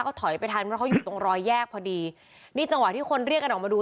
ก็ถอยไปทันเพราะเขาอยู่ตรงรอยแยกพอดีนี่จังหวะที่คนเรียกกันออกมาดู